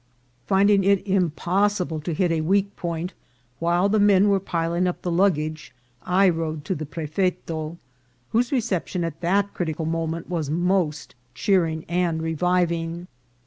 Finding it impossible to hit a weak point, while the men were piling up the luggage I rode to the prefeto, whose reception at that critical moment was most cheering and reviving.